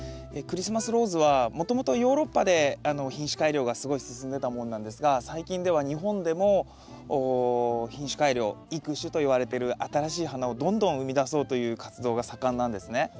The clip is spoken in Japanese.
クリスマスローズはもともとヨーロッパで品種改良がすごい進んでたものなんですが最近では日本でも品種改良育種といわれてる新しい花をどんどん生みだそうという活動が盛んなんですね。